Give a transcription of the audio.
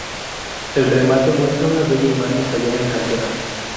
El remate muestra una bella imagen tallada en cantera.